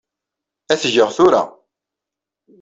Ad tgeɣ tura.